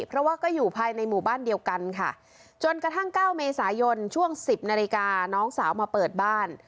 เพราะว่าก็อยู่ภายในหมู่บ้านเดียวกันค่ะจนกระทั่งเก้าเมษายนช่วงสิบนาฬิกาน้องสาวมาเปิดบ้าน